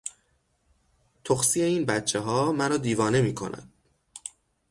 تخسی این بچهها مرا دیوانه میکند.